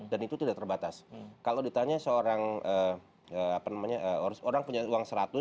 itu tidak terbatas kalau ditanya seorang apa namanya orang punya uang seratus